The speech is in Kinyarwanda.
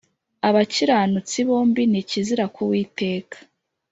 abakiranutsi Bombi ni ikizira ku Uwiteka